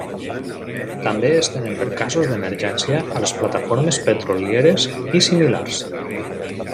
També es tenen per casos d'emergència a les plataformes petrolieres i similars.